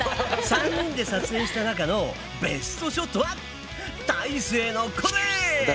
３人で撮影した中のベストショットはたいせいのこれ！